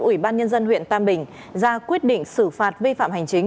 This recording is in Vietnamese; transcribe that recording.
ủy ban nhân dân huyện tam bình ra quyết định xử phạt vi phạm hành chính